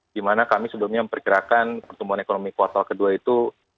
di mana kami sebelumnya memperkirakan pertumbuhan ekonomi kuartal kedua itu